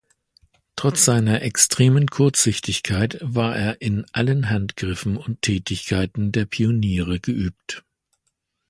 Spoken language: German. Trotz seiner extremen Kurzsichtigkeit war er in allen Handgriffen und Tätigkeiten der Pioniere geübt.